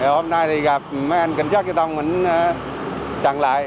hôm nay thì gặp mấy anh cảnh sát giao thông mình chặn lại